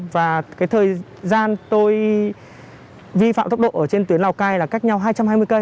và cái thời gian tôi vi phạm tốc độ ở trên tuyến lào cai là cách nhau hai trăm hai mươi cây